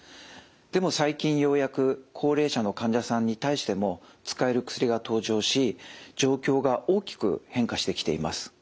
でも最近ようやく高齢者の患者さんに対しても使える薬が登場し状況が大きく変化してきています。